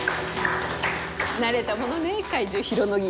慣れたものね怪獣ヒロノギアス。